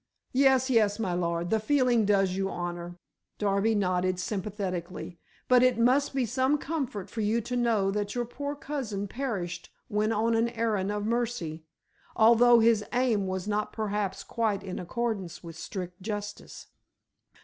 "Yes, yes, my lord! the feeling does you honor," Darby nodded sympathetically; "but it must be some comfort for you to know that your poor cousin perished when on an errand of mercy, although his aim was not perhaps quite in accordance with strict justice."